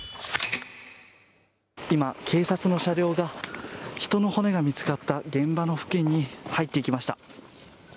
今、警察の車両が人の骨が見つかった現場の付近に、入っていきました。